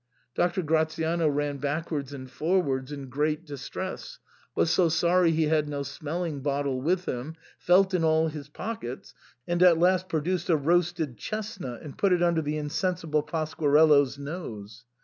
Doc tor Gratiano ran backwards and forwards in great dis tress, was so sorry he had no smelling bottle with him, felt in all his pockets, and at last produced a roasted chestnut, and put it under the insensible Pasquarello's nose.